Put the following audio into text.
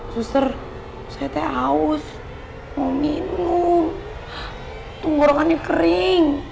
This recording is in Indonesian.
suster saya teh aus mau minum tunggu rohannya kering